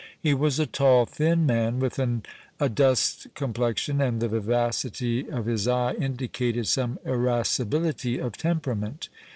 He was a tall thin man, with an adust complexion, and the vivacity of his eye indicated some irascibility of temperament.